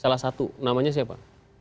salah satu namanya siapa